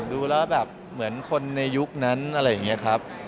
ดูแล้วแบบเหมือนคนในยุคนั้นอะไรอย่างนี้ครับ